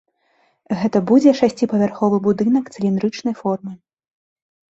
Гэта будзе шасціпавярховы будынак цыліндрычнай формы.